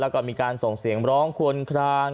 แล้วก็มีการส่งเสียงร้องควนคลาง